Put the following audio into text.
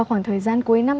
khoảng thời gian cuối năm